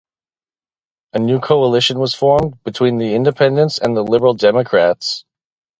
A new coalition was formed, between the Independents and the Liberal Democrats.